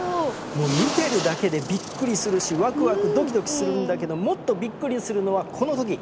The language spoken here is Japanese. もう見てるだけでびっくりするしワクワクドキドキするんだけどもっとびっくりするのはこの時。